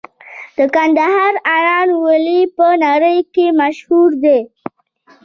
د کندهار انار ولې په نړۍ کې مشهور دي؟